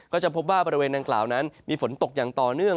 ก็จะพบว่าบริเวณดังกล่าวนั้นมีฝนตกอย่างต่อเนื่อง